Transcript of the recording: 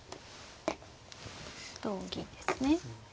同銀ですね。